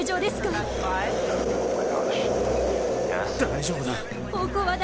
大丈夫だ。